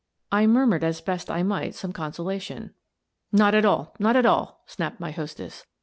I murmured, as best I might, some consolation. " Not at all ; not at all," snapped my hostess.